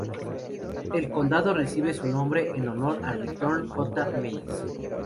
El condado recibe su nombre en honor a Return J. Meigs.